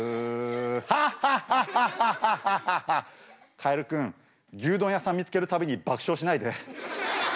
カエルくん牛丼屋さん見つける度に爆笑しないで。